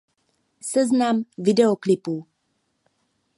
Seznam videoklipů.